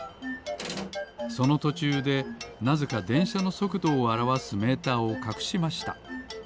そのとちゅうでなぜかでんしゃのそくどをあらわすメーターをかくしました。